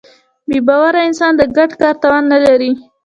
بېباوره انسان د ګډ کار توان نهلري.